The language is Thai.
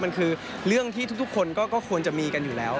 มันคือเรื่องที่ทุกคนก็ควรจะมีกันอยู่แล้ว